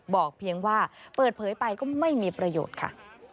เพียงว่าเปิดเผยไปก็ไม่มีประโยชน์ค่ะ